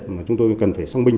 mà chúng tôi cần phải song minh